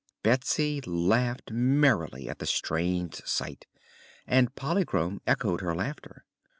Betsy laughed merrily at the strange sight and Polychrome echoed her laughter.